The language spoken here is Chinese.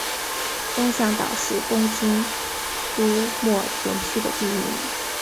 东向岛是东京都墨田区的地名。